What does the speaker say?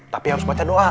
tapi harus baca doa